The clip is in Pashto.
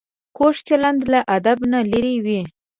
کوږ چلند له ادب نه لرې وي